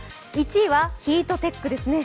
１位はヒートテックですね。